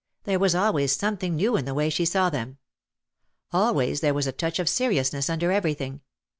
There was always some thing new in the way she saw them. Always there was a touch of seriousness under everything.